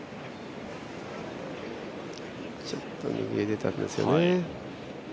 ちょっと右へ出たんですよね。